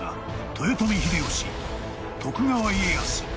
豊臣秀吉徳川家康